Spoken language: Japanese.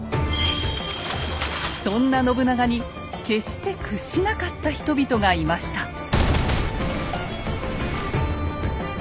そんな信長に決して屈しなかった人々がいました。